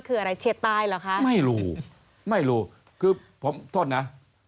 คืออะไรเฉียดตายเหรอคะไม่รู้ไม่รู้คือผมโทษนะ